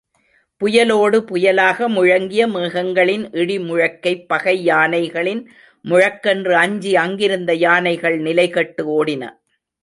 புயலோடு புயலாக முழங்கிய மேகங்களின் இடிமுழக்கைப் பகை யானைகளின் முழக்கென்று அஞ்சி அங்கிருந்த யானைகள் நிலைகெட்டு ஓடின.